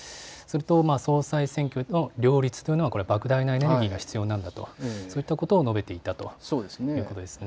総裁選挙への両立というのはばく大なエネルギーが必要なんだとそういったことを述べていたということですね。